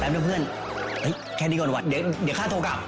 แป๊บนะเพื่อนเฮ้ยแค่นี้ก่อนว่ะเดี๋ยวข้าโทรกลับ